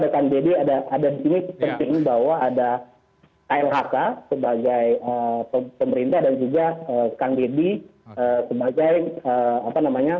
kan dedy ada di sini pentingnya bahwa ada lhk sebagai pemerintah dan juga kang dedy sebagai apa namanya